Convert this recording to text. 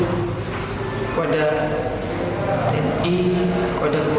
kepada tni kota pabu ninggo